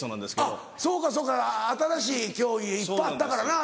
あっそうかそうか新しい競技いっぱいあったからな。